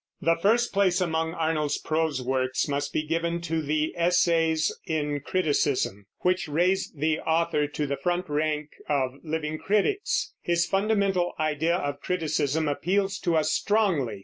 The first place among Arnold's prose works must be given to the Essays in Criticism, which raised the author to the front rank of living critics. His fundamental idea of criticism appeals to us strongly.